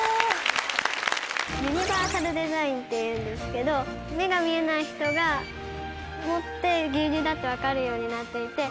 ユニバーサルデザインっていうんですけど目が見えない人が持って牛乳だって分かるようになっていて。